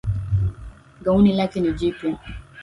Gauni lake ni jipya